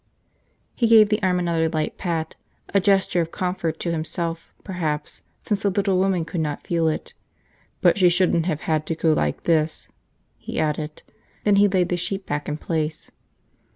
He gave the arm another light pat, a gesture of comfort to himself, perhaps, since the little woman could not feel it. "But she shouldn't have had to go like this," he added. Then he laid the sheet back in place.